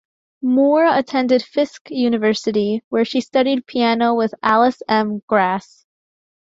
Moore attended Fisk University, where she studied piano with Alice M. Grass.